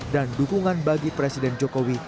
dan dukungan bagi presiden jokowi